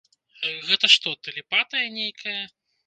Гэта што, тэлепатыя нейкая?